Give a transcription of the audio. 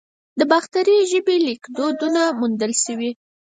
د باختري ژبې لیکدود موندل شوی